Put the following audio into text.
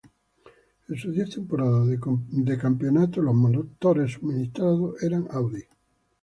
En sus diez temporadas en el campeonato fue suministrado motores Ford.